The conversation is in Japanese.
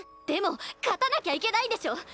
でも勝たなきゃいけないんでしょ。